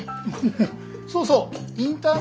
ハハそうそうインターン